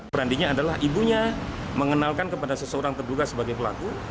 perandinya adalah ibunya mengenalkan kepada seseorang terduga sebagai pelaku